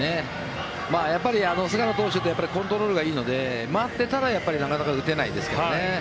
やっぱり菅野投手ってコントロールがいいので待ってたらなかなか打てないんですよね。